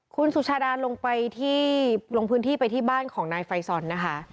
คุณสุชาดาลงไปที่ลงพื้นที่ไปที่บ้านของนายไฟซอนนะคะ